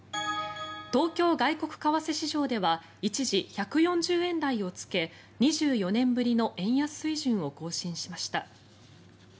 東京外国為替市場では一時、１４０円台をつけ２４年ぶりの円安水準を更新しました。